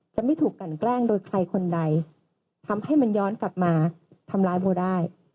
จะไม่ถูกกันแกล้งโดยใครคนใดทำให้มันย้อนกลับมาทำร้ายโบได้